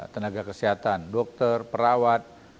tenaga kesehatan dokter perawat